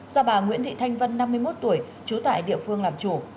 do bà nguyễn thị thanh vân năm mươi một tuổi trú tại địa phương làm chủ